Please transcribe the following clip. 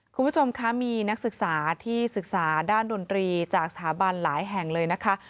คุณผู้ชมคะมีนักศึกษาที่ศึกษาด้านดนตรีจากสถาบันหลายแห่งเลยนะคะ